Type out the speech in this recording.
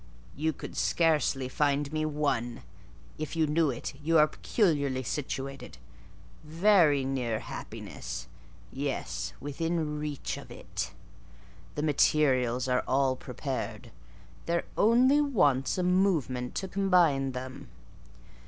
"You could scarcely find me one. If you knew it, you are peculiarly situated: very near happiness; yes, within reach of it. The materials are all prepared; there only wants a movement to combine them.